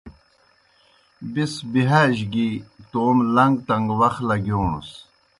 بیْس بِہاج گیْ توموْ لݩگ تݩگ وخ لگِیوݨنَس۔